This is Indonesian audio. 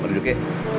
mau duduk ya